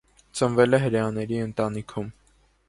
Ծնվել է հրեաների ընտանքիում։